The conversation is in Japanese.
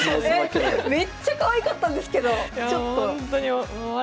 めっちゃかわいかったんですけど。